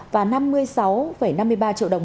và năm mươi sáu năm mươi ba triệu đồng